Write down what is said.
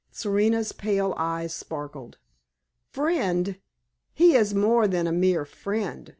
Serena's pale eyes sparkled. "Friend? He is more than a mere friend!"